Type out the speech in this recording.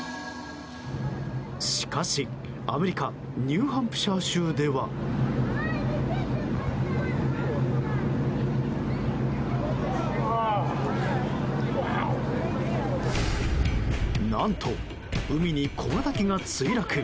しかし、アメリカニューハンプシャー州では。何と、海に小型機が墜落。